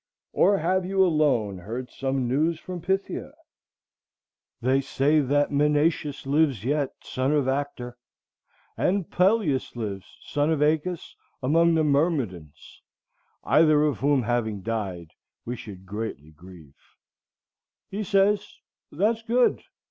— "Or have you alone heard some news from Phthia? They say that Menœtius lives yet, son of Actor, And Peleus lives, son of Æacus, among the Myrmidons, Either of whom having died, we should greatly grieve." He says, "That's good."